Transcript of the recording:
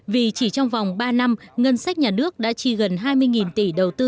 vì chỉ trong vòng ba năm ngân sách nhà nước đã chi gần hai mươi tỷ đầu tư